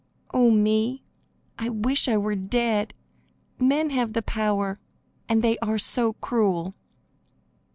Oh, me! I wish I were dead; men have the power, and they are so cruel."